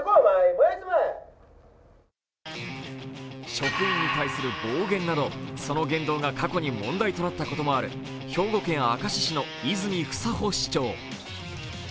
職員に対する暴言など、その言動が過去に問題となったこともある兵庫県明石市の泉房穂市長。